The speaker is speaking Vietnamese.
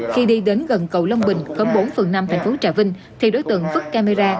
khi đi đến gần cầu long bình khống bốn phần năm tp trà vinh thì đối tượng vứt camera